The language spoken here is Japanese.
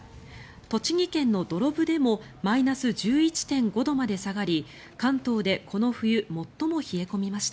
栃木県の土呂部でもマイナス１１．５度まで下がり関東でこの冬最も冷え込みました。